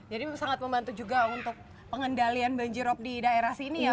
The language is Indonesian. jadi sangat membantu juga untuk pengendalian banjir rob di daerah sini ya bu